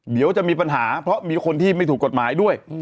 เดี๋ยวจะมีปัญหาเพราะมีคนที่ไม่ถูกกฎหมายด้วย